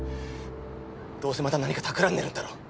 どうせまた何か企んでるんだろう？